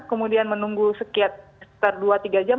kemudian menunggu sekitar dua tiga jam